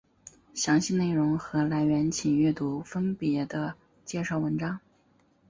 详细内容和来源请阅读分别的介绍文章。